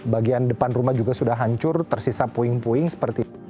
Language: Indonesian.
bagian depan rumah juga sudah hancur tersisa puing puing seperti itu